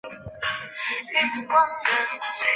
爱知县出身。